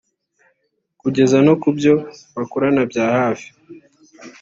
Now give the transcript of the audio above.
kugeza no kubyo bakorana byahafi